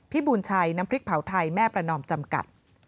บูรณชัยน้ำพริกเผาไทยแม่ประนอมจำกัด